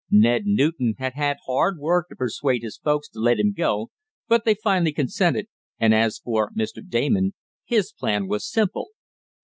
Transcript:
Ned Newton had had hard work to persuade his folks to let him go, but they finally consented, and as for Mr. Damon, his plan was simple.